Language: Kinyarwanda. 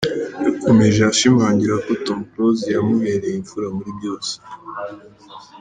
Yakomeje ashimangira ko Tom Close yamubere imfura muri byose.